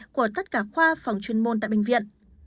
của tất cả khoa phòng chuyên môn tại bệnh viện